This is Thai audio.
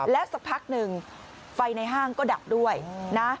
และสักพักหนึ่งไฟในห้างก็ดับด้วยนะ